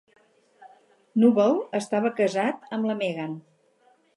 Knuble estava casat amb la Megan.